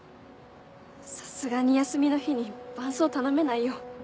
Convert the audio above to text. さすがに休みの日に伴走頼めないよ。